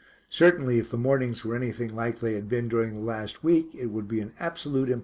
Certainly if the mornings were anything like they had been during the last week it would be an absolute impossibility.